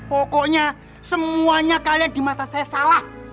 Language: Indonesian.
pokoknya semuanya kalian di mata saya salah